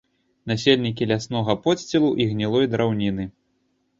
Насельнікі ляснога подсцілу і гнілой драўніны.